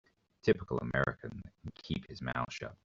Typical American that can keep his mouth shut.